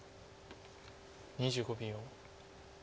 ２５秒。